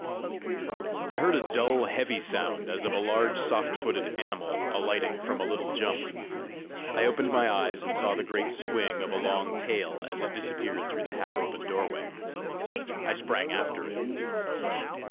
I heard a dull heavy sound, as of a large soft footed animal alighting from a little jump. I opened my eyes, and saw the great swing of a long tail as it disappeared through the half open doorway. I sprang after it.